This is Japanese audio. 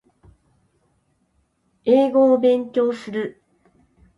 英語を勉強する